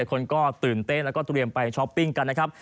คนก็ตื่นเต้นแล้วก็เตรียมไปช้อปปิ้งกันนะครับ